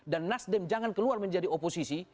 dan nasdem jangan keluar menjadi oposisi